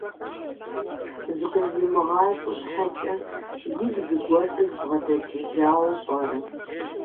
Зыкъызимыгъащӏэ щхьэкӏэ, игу зыгуэркӏэ збгъэдэкӏыжауэ пӏэрэ?